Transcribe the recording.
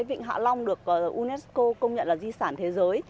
vịnh hạ long được unesco công nhận là di sản thế giới